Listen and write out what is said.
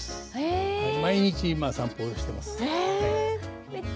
毎日今、散歩しています。